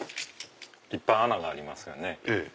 いっぱい穴がありますよね。